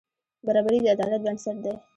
برابري د عدالت بنسټ دی.